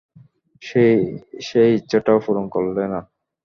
সেই ইচ্ছাটাও পূরণ করলে না।